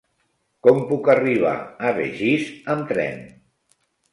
Com puc arribar a Begís amb tren?